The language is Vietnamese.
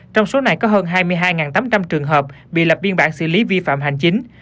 trong số này có hơn hai mươi hai tám trăm linh trường hợp bị lập biên bản xử lý vi phạm hành chính